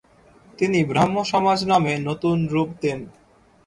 তিনি ব্রাহ্মসমাজ নামে নতুন রূপ দেন।